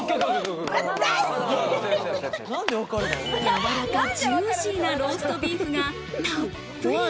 やわらかジューシーなローストビーフがたっぷり。